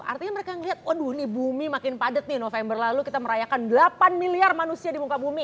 artinya mereka melihat waduh ini bumi makin padat nih november lalu kita merayakan delapan miliar manusia di muka bumi